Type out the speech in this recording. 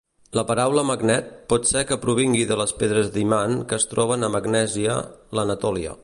La paraula "magnet" pot ser que provingui de les pedres d'imant que es troben a Magnèsia, l'Anatòlia.